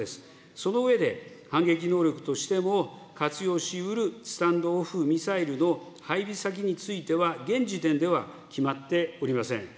その上で、反撃能力としても活用しうるスタンド・オフ・ミサイルの配備先については、現時点では決まっておりません。